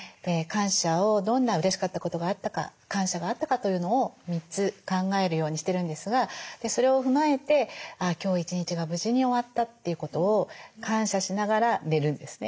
感謝をどんなうれしかったことがあったか感謝があったかというのを３つ考えるようにしてるんですがそれを踏まえてあ今日一日が無事に終わったということを感謝しながら寝るんですね。